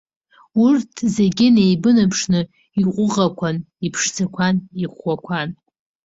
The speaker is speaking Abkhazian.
Урҭ зегьы неибанеиԥшны иҟәыӷақәан, иԥшӡақәан, иӷәӷәақәан.